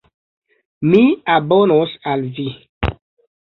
Mi abonos al vi